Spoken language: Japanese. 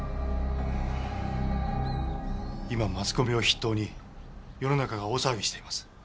今マスコミを筆頭に世の中が大騒ぎしています。